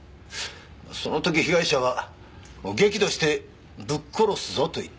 その時被害者は激怒して「ぶっ殺すぞ！」と言っていた。